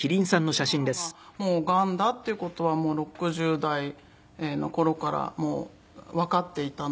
で母がもうがんだっていう事は６０代の頃からもうわかっていたので。